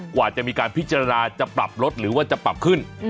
กว่าจะมีการพิจารณาจะปรับลดหรือว่าจะปรับขึ้น